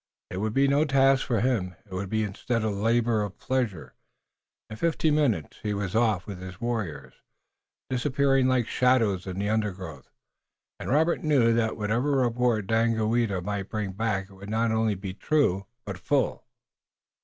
It would be no task for him, it would be instead a labor of pleasure. In fifteen minutes he was off with his warriors, disappearing like shadows in the undergrowth, and Robert knew that whatever report Daganoweda might bring back it would not only be true but full.